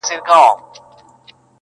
ته يې ټول د خداى کتاب زه تمثيل د زنکدن